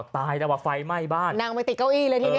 ตายแล้วว่าไฟไหม้บ้านสะกดที่เก้าอี้เลย